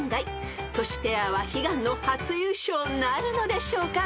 ［トシペアは悲願の初優勝なるのでしょうか？］